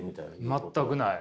全くない。